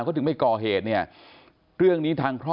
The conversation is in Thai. ก็ถึงไม่ก่อเหตุเนี่ย